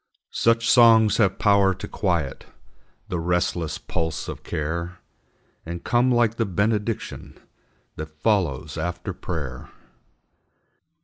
Such songs have power to quiet The restless pulse of care, And come like the benediction That follows after prayer.